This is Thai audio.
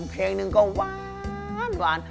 เพลงหนึ่งก็หวาน